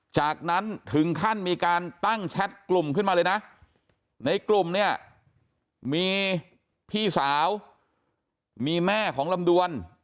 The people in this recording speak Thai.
จากนั้นถึงขั้นมีการตั้งแชทกลุ่มขึ้นมาเลยนะในกลุ่มเนี่ยมีพี่สาวมีแม่ของลำดวน